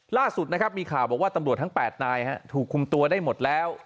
ล่าสุดนะครับมีข่าวบอกว่าตำรวจทั้ง๘นายถูกคุมตัวได้หมดแล้ว